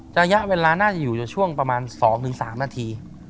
ระยะเวลาน่าจะอยู่ในช่วงประมาณ๒๓นาที